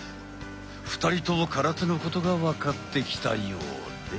２人とも空手のことが分かってきたようで。